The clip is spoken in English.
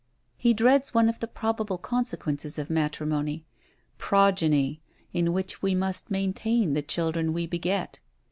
He dreads one of the probable consequences of matrimony progeny, in which we must maintain the children we beget!